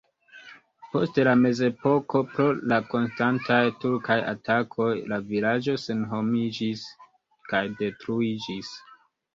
Post la mezepoko pro la konstantaj turkaj atakoj la vilaĝo senhomiĝis kaj detruiĝis.